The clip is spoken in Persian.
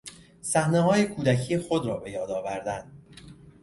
صحنههای کودکی خود را به یاد آوردن